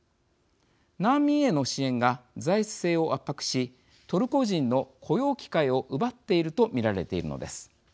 難民への支援が財政を圧迫しトルコ人の雇用機会を奪っていると見られているのです。